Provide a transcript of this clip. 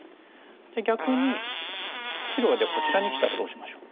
逆に白がじゃあこちらにきたらどうしましょう？